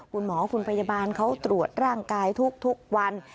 คุณหมอคุณพยาบาลเขาตรวจร่างกายทุกวัน